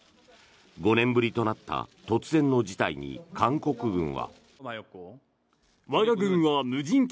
５年ぶりとなった突然の事態に韓国軍は。